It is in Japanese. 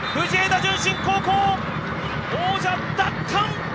順心高校、王者奪還！